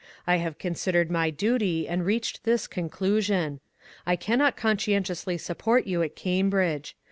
I have considered my duty and reached this conclusion: I cannot conscientiously support you at Cam bridge.